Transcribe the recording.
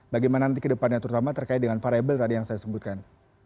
bagaimana nanti kedepannya terutama terkait dengan variable yang tadi saya sebutkan